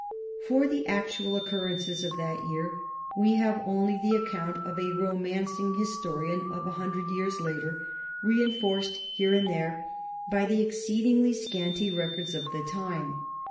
For the actual occurrences of that year, we have only the account of a romancing historian of a hundred years later, reenforced here and there by the exceedingly scanty records of the time.